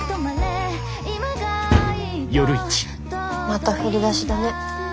また振り出しだね。